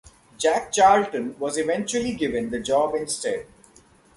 Jack Charlton was eventually given the job instead.